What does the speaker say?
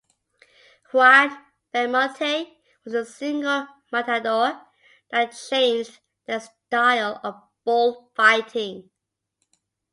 Juan Belmonte was the single matador that changed the style of bullfighting.